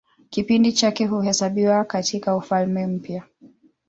Kipindi chake huhesabiwa katIka Ufalme Mpya.